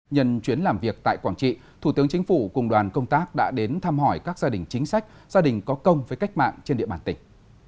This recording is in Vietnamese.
nhân chuyến làm việc tại quảng trị thủ tướng chính phủ cùng đoàn công tác đã đến thăm hỏi các gia đình chính sách gia đình có công với cách mạng trên địa bàn tỉnh